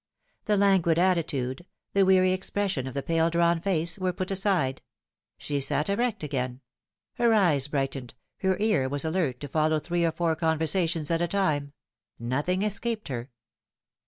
The languid attitude, the weary expression of the pale drawn face, were put aside. She sat erect again ; her eyes brightened, her ear was alert to follow three or four conversations at a time ; nothing escaped her.